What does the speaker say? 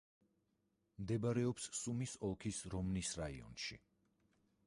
მდებარეობს სუმის ოლქის რომნის რაიონში.